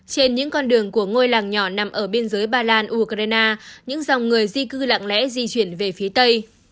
trên những con đường của ngôi làng nhỏ nằm ở biên giới ba lan ukraine những dòng người di cư lặng lẽ di chuyển về phía tây